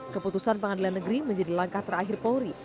keputusan pengadilan negeri menjadi langkah terakhir polri